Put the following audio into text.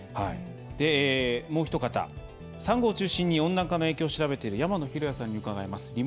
もうひと方サンゴを中心に温暖化の影響を調べている山野博哉さんに伺います。